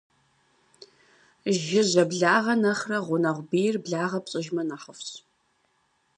Жыжьэ благъэ нэхърэ гъунэгъу бийр благъэ пщIыжмэ, нэхъыфIщ.